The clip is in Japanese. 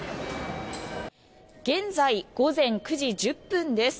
現在午前９時１０分です。